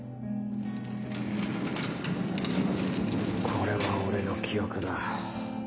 これが俺の記憶だ。